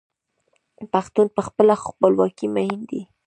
پښتون په خپله خپلواکۍ مین دی.